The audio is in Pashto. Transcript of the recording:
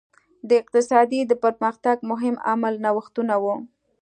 د اقتصادي پرمختګ مهم عامل نوښتونه وو.